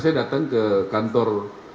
saya datang ke kantor